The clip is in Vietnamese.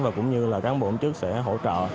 và cũng như là cán bộ ứng chức sẽ hỗ trợ